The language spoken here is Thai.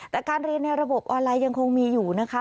แต่การเรียนในระบบออนไลน์ยังคงมีอยู่นะคะ